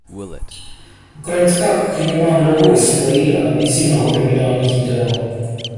Ukrajinská kuchyně má dlouhou historii a nabízí mnoho originálních jídel.